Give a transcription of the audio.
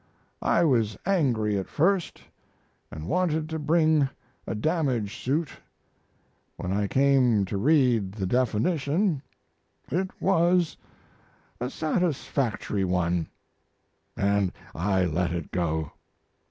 I was angry at first, and wanted to bring a damage suit. When I came to read the definition it was a satisfactory one, and I let it go.